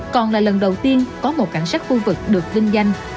còn là lần đầu tiên có một cảnh sát khu vực được vinh danh